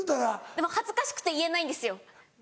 でも恥ずかしくて言えないんですよ。